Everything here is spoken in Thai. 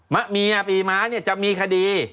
แม่เมียปีม้าจะมีคดี